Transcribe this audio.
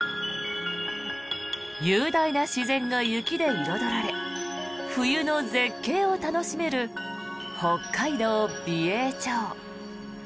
雄大な自然が雪で彩られ冬の絶景を楽しめる北海道美瑛町。